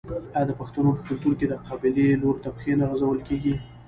آیا د پښتنو په کلتور کې د قبلې لوري ته پښې نه غځول کیږي؟